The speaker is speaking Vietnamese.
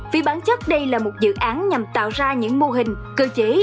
vì bản chất đây là một dự án nhằm tạo ra những mô hình cơ chế